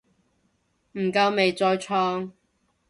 唔夠咪再創